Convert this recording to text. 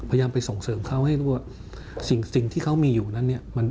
พยายามไปส่งเสริมเขาให้รู้ว่าสิ่งที่เขามีอยู่นั้นเนี่ย